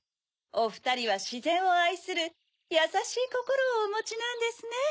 おふたりはしぜんをあいするやさしいこころをおもちなんですね。